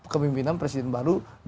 kemimpinan presiden baru